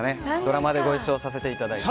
ドラマでご一緒させていただいて。